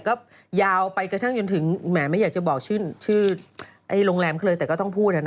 ก็ยาวไปกระทั่งจนถึงแหมไม่อยากจะบอกชื่อโรงแรมเขาเลยแต่ก็ต้องพูด